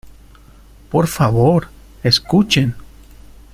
¡ por favor! ¡ escuchen !